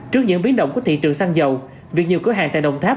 trước những biến động của thị trường xăng dầu việc nhiều cửa hàng tại đồng tháp